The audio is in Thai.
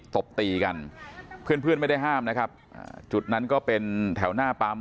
ตบตีกันเพื่อนเพื่อนไม่ได้ห้ามนะครับจุดนั้นก็เป็นแถวหน้าปั๊ม